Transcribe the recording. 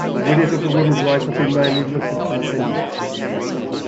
The winners of the women's race have been mainly Russian and Kenyan.